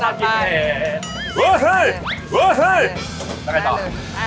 ได้ทุกอย่างนี้ละหนึ่ง